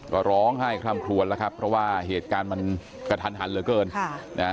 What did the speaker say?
ก็ร้องไห้คล่ำคลวนแล้วครับเพราะว่าเหตุการณ์มันกระทันหันเหลือเกิน